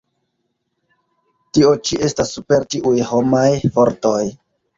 Tio ĉi estas super ĉiuj homaj fortoj!